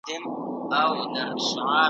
پاک خواړه روغ انسان جوړوي.